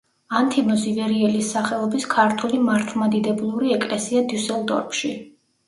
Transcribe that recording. ანთიმოზ ივერიელის სახელობის ქართული მართლმადიდებლური ეკლესია დიუსელდორფში.